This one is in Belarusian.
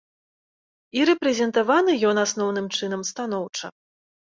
І рэпрэзентаваны ён, асноўным чынам, станоўча.